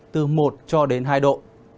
từ một hai độ